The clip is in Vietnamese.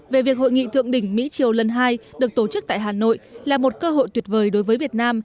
về việc hội nghị thượng đỉnh mỹ triều lần hai được tổ chức tại hà nội là một cơ hội tuyệt vời đối với việt nam